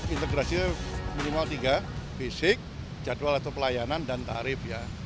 integrasinya minimal tiga fisik jadwal atau pelayanan dan tarif ya